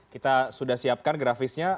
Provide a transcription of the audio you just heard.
kita sudah siapkan grafisnya